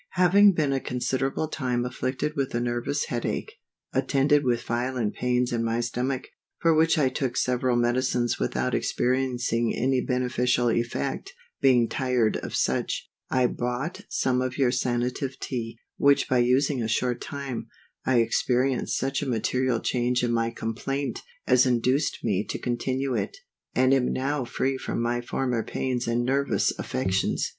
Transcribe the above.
HAVING been a considerable time afflicted with a nervous head ache, attended with violent pains in my stomach, for which I took several medicines without experiencing any beneficial effect; being tired of such, I bought some of your Sanative Tea, which by using a short time, I experienced such a material change in my complaint, as induced me to continue it, and am now free from my former pains and nervous affections.